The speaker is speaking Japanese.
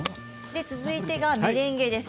続いてはメレンゲです。